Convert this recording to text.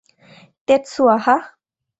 Tetsuya, হাহ?